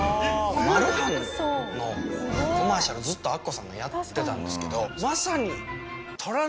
マルハンのコマーシャルずっとアッコさんがやってたんですけど。